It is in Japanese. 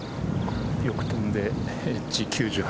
よく飛んでエッジ９８。